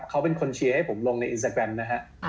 เขาเป็นคนเชียร์ให้ผมลงในอินสตาแกรมนะฮะ